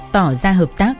tỏ ra hợp tác